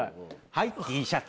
はいＴシャツ。